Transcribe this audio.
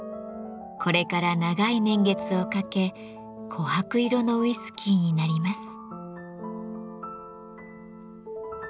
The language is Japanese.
これから長い年月をかけ琥珀色のウイスキーになります。